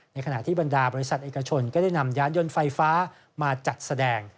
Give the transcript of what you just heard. ขณะที่บรรดาบริษัทเอกชนก็ได้นำยานยนต์ไฟฟ้ามาจัดแสดง